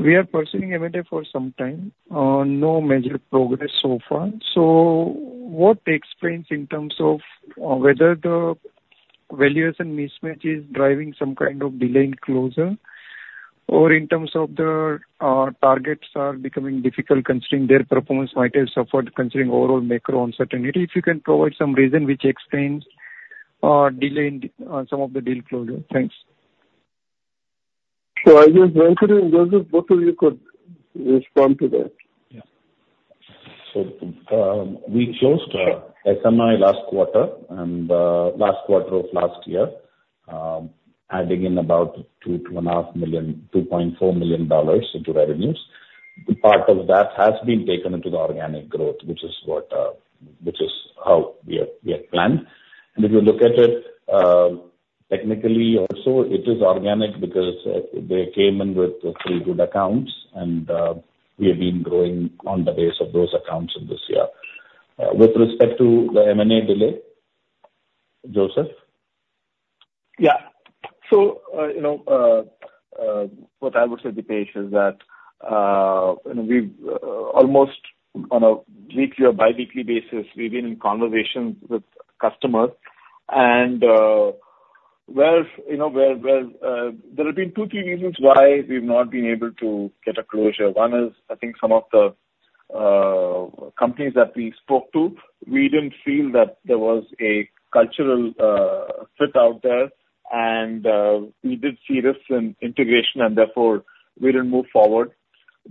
We are pursuing M&A for some time, no major progress so far. So what explains in terms of, whether the valuation mismatch is driving some kind of delay in closure, or in terms of the, targets are becoming difficult, considering their performance might have suffered, considering overall macro uncertainty. If you can provide some reason which explains, delay in, some of the deal closure. Thanks. So, I just... Venkat Joseph, both of you could respond to that. Yeah. So, we closed SMI last quarter and last quarter of last year, adding in about $2 million-$2.5 million, $2.4 million into revenues. Part of that has been taken into the organic growth, which is how we have planned. And if you look at it, technically also, it is organic because they came in with three good accounts, and we have been growing on the base of those accounts in this year. With respect to the M&A delay, Joseph? Yeah. So, you know, what I would say, Dipesh, is that, you know, we've almost on a weekly or biweekly basis, we've been in conversations with customers. And, where, you know, where, there have been two, three reasons why we've not been able to get a closure. One is, I think some of the companies that we spoke to, we didn't feel that there was a cultural fit out there, and we did see risk in integration, and therefore, we didn't move forward.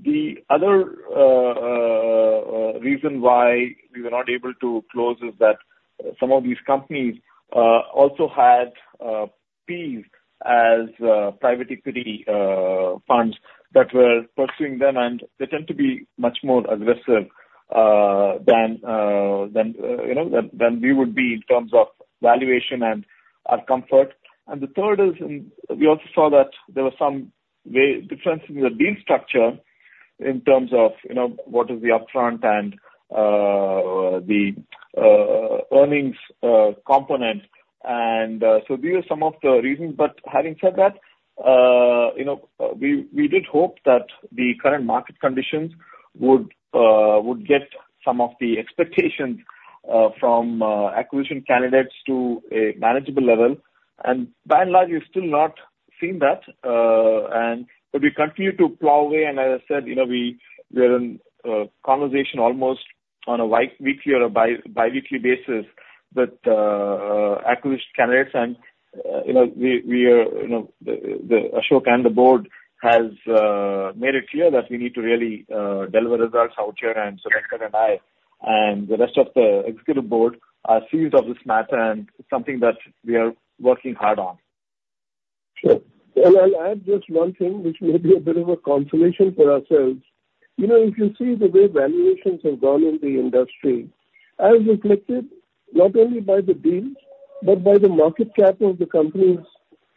The other reason why we were not able to close is that some of these companies also had PE as private equity funds that were pursuing them, and they tend to be much more aggressive than you know than we would be in terms of valuation and our comfort. And the third is we also saw that there were some differences in the deal structure in terms of you know what is the upfront and the earnings component. And so these are some of the reasons. But having said that,... You know, we did hope that the current market conditions would get some of the expectations from acquisition candidates to a manageable level. And by and large, we've still not seen that. But we continue to plow away, and as I said, you know, we're in conversation almost on a bi-weekly basis with acquisition candidates. And, you know, we are, you know, the Ashok and the board has made it clear that we need to really deliver results out here, and so Venkat and I, and the rest of the executive board are seized of this matter, and it's something that we are working hard on. Sure. Well, I'll add just one thing, which may be a bit of a consolation for ourselves. You know, if you see the way valuations have gone in the industry, as reflected not only by the deals, but by the market cap of the companies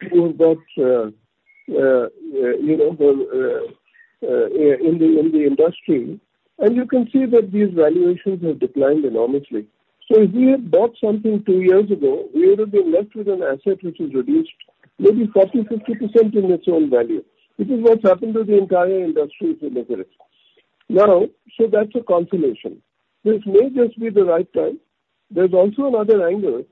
who have got, you know, in the industry, and you can see that these valuations have declined enormously. So if we had bought something two years ago, we would have been left with an asset which is reduced maybe 40%-50% in its own value, which is what's happened to the entire industry for the better. Now, so that's a consolation. This may just be the right time. There's also another angle,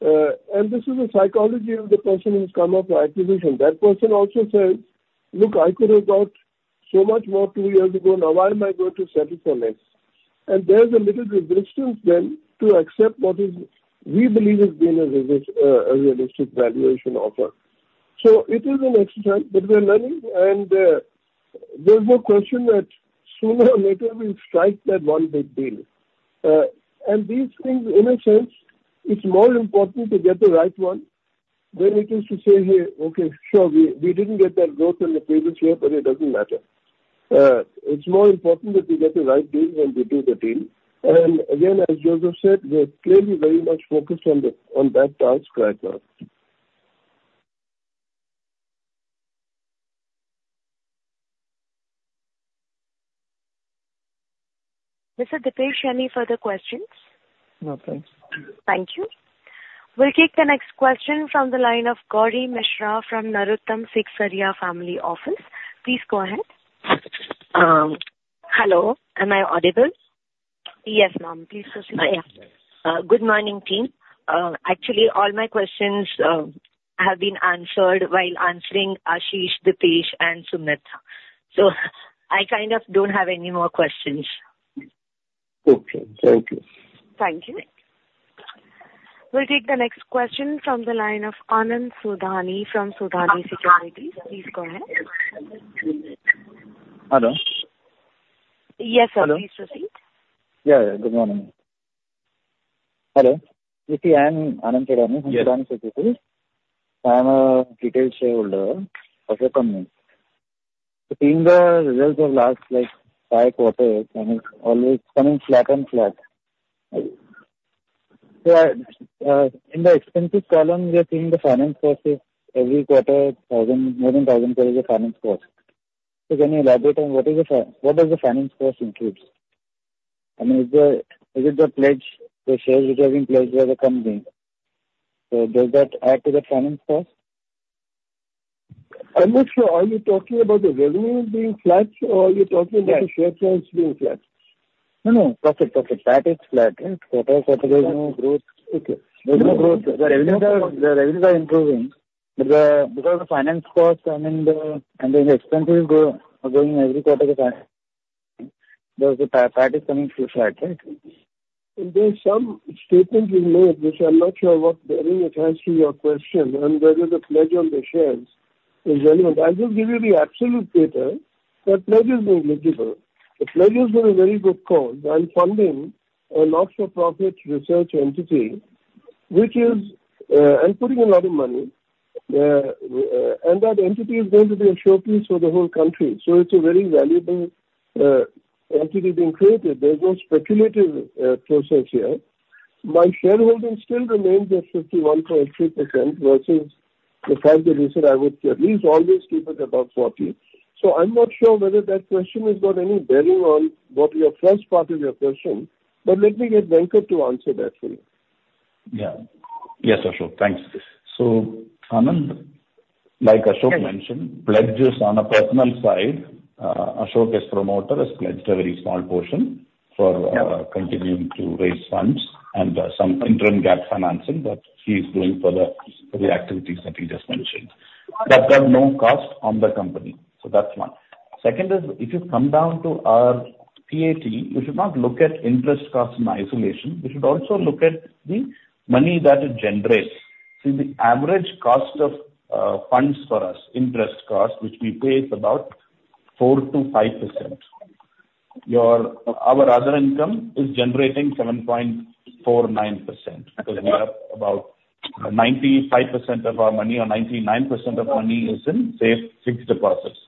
and this is a psychology of the person who's come up for acquisition. That person also says: "Look, I could have got so much more two years ago. Now, why am I going to settle for less?" And there's a little resistance then to accept what is, we believe is being a realistic valuation offer. So it is an exercise, but we are learning, and there's no question that sooner or later we'll strike that one big deal. And these things, in a sense, it's more important to get the right one than it is to say, "Hey, okay, sure, we, we didn't get that growth in the previous year, but it doesn't matter." It's more important that we get the right deal when we do the deal. And again, as Joseph said, we are clearly very much focused on that task right now. Mr. Dipesh, any further questions? No, thanks. Thank you. We'll take the next question from the line of Gauri Mishra from Narotam Sekhsaria Family Office. Please go ahead. Hello, am I audible? Yes, ma'am. Please proceed. Yeah. Good morning, team. Actually, all my questions have been answered while answering Ashish, Dipesh and Sumita. So I kind of don't have any more questions. Okay, thank you. Thank you. We'll take the next question from the line of Anand Sudani from Sudani Securities. Please go ahead. Hello? Yes, sir. Hello. Please proceed. Yeah, good morning. Hello. I'm Anand Sudani. Yes. From Sudani Securities. I'm a retail shareholder of your company. Seeing the results of last, like, five quarters, and it's always coming flat on flat. So, in the expenses column, we are seeing the finance costs every quarter, 1,000, more than $1,000 of finance cost. So can you elaborate on what does the finance cost includes? I mean, is the, is it the pledge, the shares which have been pledged by the company? So does that add to the finance cost? I'm not sure. Are you talking about the revenue being flat, or are you talking about- Yes. - the share price being flat? No, no. Profit, profit. That is flat, right? Quarter after quarter there's no growth. There's no growth. The revenues are, the revenues are improving, but because the finance costs, I mean, the, and the expenses go, are going every quarter that is coming through flat, right? There are some statements you made which I'm not sure what bearing it has to your question and whether the pledge on the shares is relevant. I'll just give you the absolute data. The pledge is very visible. The pledge is on a very good call. By funding a not-for-profit research entity, which is, I'm putting a lot of money, and that entity is going to be a showcase for the whole country. So it's a very valuable, entity being created. There's no speculative, process here. My shareholding still remains at 51.3%, versus the 5 that you said I would at least always keep it above 40. So I'm not sure whether that question has got any bearing on what your first part of your question, but let me get Venkat to answer that for you. Yeah. Yes, Ashok, thanks. So, Anand, like Ashok mentioned, pledges on a personal side, Ashok, as promoter, has pledged a very small portion for, Yeah. continuing to raise funds and, some interim gap financing that he's doing for the activities that he just mentioned. That has no cost on the company. So that's one. Second is if you come down to our PAT, you should not look at interest costs in isolation. You should also look at the money that it generates. See, the average cost of funds for us, interest cost, which we pay, is about 4%-5%. Our other income is generating 7.49%, because we have about 95% of our money or 99% of money is in safe fixed deposits.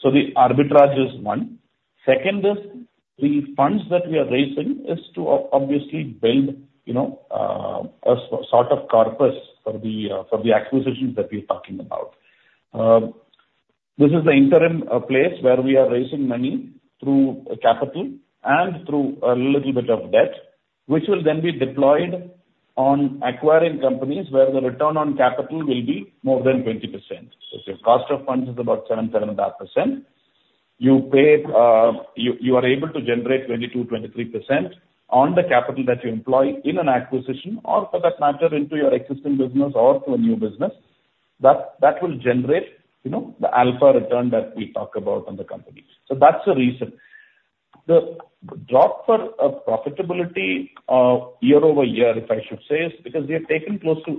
So the arbitrage is one. Second is, the funds that we are raising is to obviously build, you know, a sort of corpus for the acquisitions that we're talking about. This is the interim place where we are raising money through capital and through a little bit of debt, which will then be deployed on acquiring companies where the return on capital will be more than 20%. So if your cost of funds is about 7%-7.5%, you pay, you are able to generate 22%-23% on the capital that you employ in an acquisition, or for that matter, into your existing business or to a new business, that will generate, you know, the alpha return that we talk about on the company. So that's the reason. The drop for profitability year-over-year, if I should say, is because we have taken close to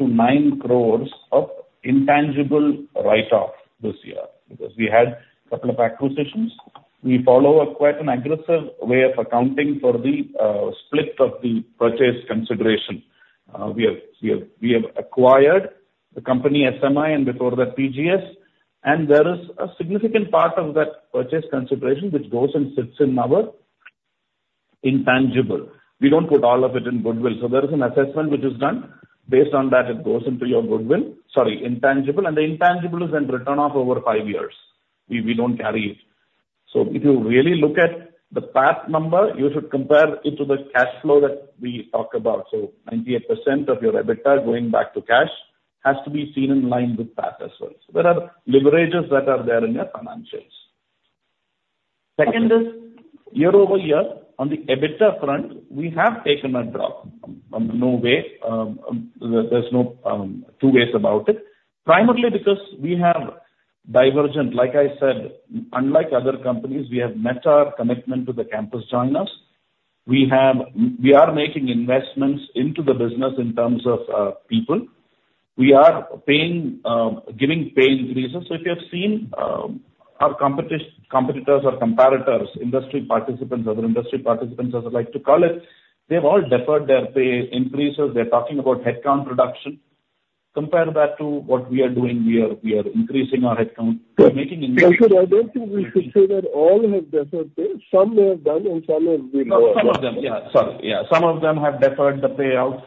8-9 crore of intangible write-off this year. Because we had couple of acquisitions. We follow a quite aggressive way of accounting for the split of the purchase consideration. We have acquired the company, SMI, and before that, PGS, and there is a significant part of that purchase consideration which goes and sits in our intangible. We don't put all of it in goodwill. So there is an assessment which is done. Based on that, it goes into your goodwill, sorry, intangible, and the intangible is then written off over five years. We don't carry it. So if you really look at the PAT number, you should compare it to the cash flow that we talk about. So 98% of your EBITDA going back to cash has to be seen in line with PAT as well. So there are leverages that are there in your financials. Second is, year-over-year, on the EBITDA front, we have taken a drop. No way, there's no two ways about it. Primarily because we have divergent—like I said, unlike other companies, we have met our commitment to the campus joiners. We have, we are making investments into the business in terms of, people. We are paying, giving pay increases. So if you have seen, our competitors or comparators, industry participants, other industry participants, as I like to call it, they've all deferred their pay increases. They're talking about headcount reduction. Compare that to what we are doing. We are, we are increasing our headcount. We are making increases- Sir, I don't think we should say that all have deferred pay. Some may have done and some may have been. Some of them, yeah. Sorry, yeah. Some of them have deferred the payouts.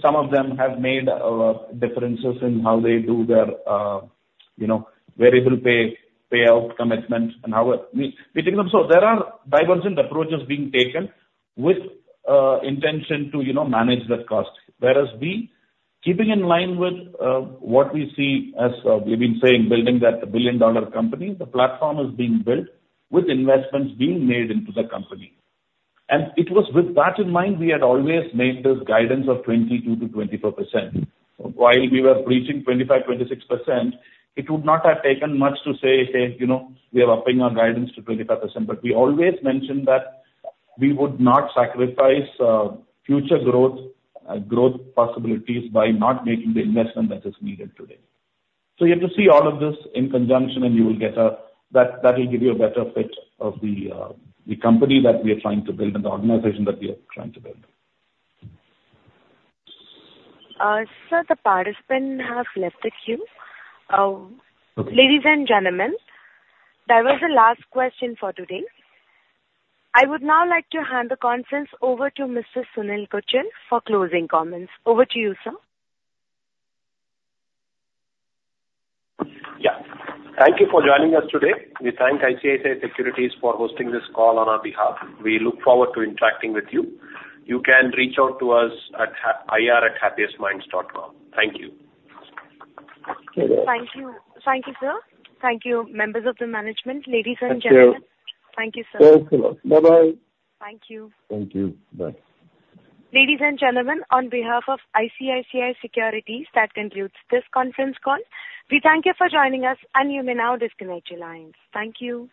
Some of them have made differences in how they do their, you know, variable pay, payout commitments and how we, we take them. So there are divergent approaches being taken with intention to, you know, manage that cost. Whereas we, keeping in line with what we see as, we've been saying, building that billion-dollar company, the platform is being built with investments being made into the company. And it was with that in mind, we had always made this guidance of 22%-24%. While we were breaching 25%-26%, it would not have taken much to say, "Hey, you know, we are upping our guidance to 25%." But we always mentioned that we would not sacrifice, future growth, growth possibilities by not making the investment that is needed today. So you have to see all of this in conjunction, and you will get that, that will give you a better fit of the, the company that we are trying to build and the organization that we are trying to build. Sir, the participant has left the queue. Okay. Ladies and gentlemen, that was the last question for today. I would now like to hand the conference over to Mr. Sunil Gujjar for closing comments. Over to you, sir. Yeah. Thank you for joining us today. We thank ICICI Securities for hosting this call on our behalf. We look forward to interacting with you. You can reach out to us at ir@happiestminds.com. Thank you. Thank you. Thank you, sir. Thank you, members of the management. Ladies and gentlemen- Thank you. Thank you, sir. Thanks a lot. Bye-bye. Thank you. Thank you. Bye. Ladies and gentlemen, on behalf of ICICI Securities, that concludes this conference call. We thank you for joining us, and you may now disconnect your lines. Thank you.